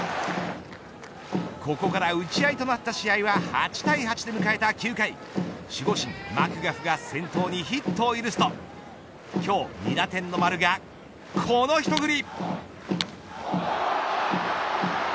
ここから打ち合いとなった試合は８対８で迎えた９回守護神マクガフが先頭にヒットを許すと今日、２打点の丸がこの一振り。